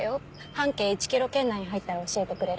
半径１ｋｍ圏内に入ったら教えてくれる。